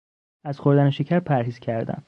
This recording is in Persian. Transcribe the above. از خوردن شکر پرهیز کردن